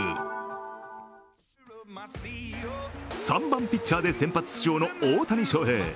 ３番・ピッチャーで先発出場の大谷翔平。